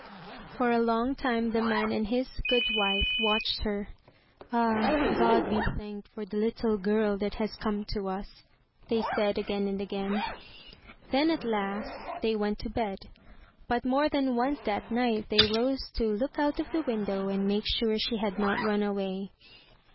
For a long time the man and his good wife watched her. "Ah, God be thanked for the little girl that has come to us," they said again and again. Then at last they went to bed, but more than once that night they rose to look out of the window and make sure she had not run away.